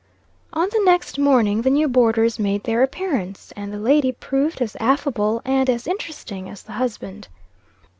On the next morning, the new boarders made their appearance, and the lady proved as affable and as interesting as the husband.